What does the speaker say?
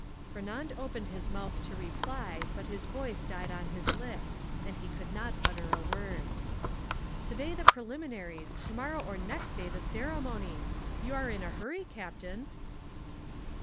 Fernand opened his mouth to reply, but his voice died on his lips, and he could not utter a word. "Today the preliminaries, tomorrow or next day the ceremony! You are in a hurry, captain!"